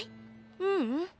ううん。